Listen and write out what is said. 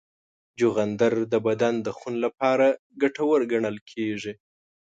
چغندر د بدن د خون لپاره ګټور ګڼل کېږي.